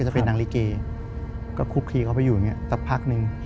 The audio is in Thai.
จะเป็นนางลิเกก็คุกคลีเขาไปอยู่อย่างนี้สักพักนึง